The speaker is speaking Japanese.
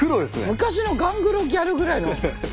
昔のガングロギャルぐらいの。